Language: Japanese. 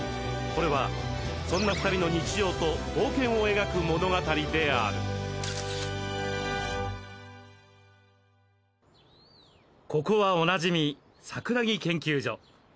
これはそんな２人の日常と冒険を描く物語であるここはおなじみサクラギ研究所。